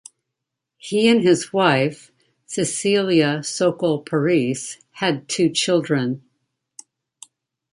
He and his wife Cecelia Sokol Parise had two children.